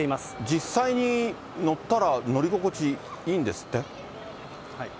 実際に乗ったら乗り心地いいんですって。